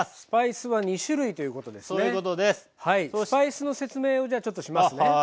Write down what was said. スパイスの説明をじゃあちょっとしますね。